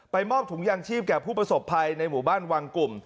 มอบถุงยางชีพแก่ผู้ประสบภัยในหมู่บ้านวังกลุ่ม